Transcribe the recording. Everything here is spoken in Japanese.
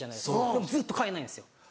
でもずっと買えないんですよ。